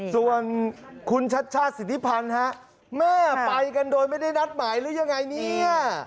ส่วนคุณชัชชาติสิทธิพันธ์ฮะแม่ไปกันโดยไม่ได้นัดหมายหรือยังไงเนี่ย